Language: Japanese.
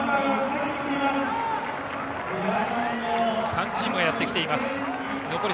３チームがやってきています。